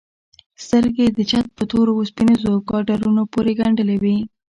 سترگې يې د چت په تورو وسپنيزو ګاډرونو پورې گنډلې وې.